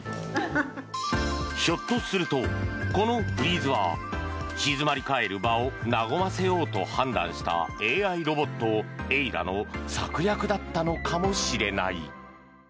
ひょっとするとこのフリーズは静まり返る場を和ませようと判断したＡＩロボット、Ａｉ−Ｄａの策略だったのかもしれない。